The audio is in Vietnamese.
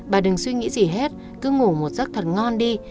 bà đừng suy nghĩ gì hết cứ ngủ một giấc thật ngon đi